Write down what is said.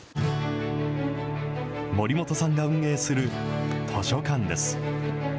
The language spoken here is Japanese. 守本さんが運営する図書館です。